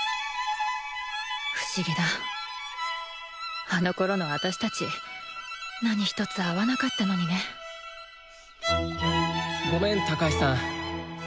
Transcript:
不思議だあのころのあたしたち何一つ合わなかったのにねごめん高橋さん。